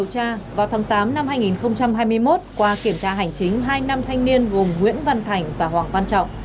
trong năm hai nghìn hai mươi một qua kiểm tra hành chính hai năm thanh niên gồm nguyễn văn thành và hoàng văn trọng